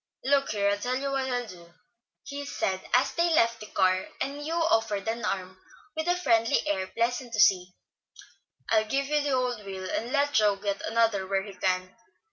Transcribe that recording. "Look here, I'll tell you what I'll do," he said, as they left the car, and Hugh offered an arm, with a friendly air pleasant to see. "I'll give you the old wheel, and let Joe get another where he can.